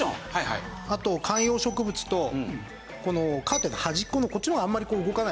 あと観葉植物とこのカーテンの端っこのこっちの方あんまり動かないんで。